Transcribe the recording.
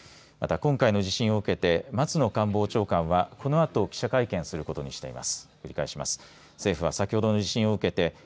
また、今回の地震を受けて松野官房長官はこのあと記者会見することにしています。